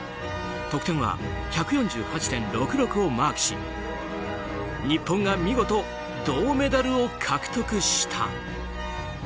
得点は１４８．６６をマークし日本が見事銅メダルを獲得した。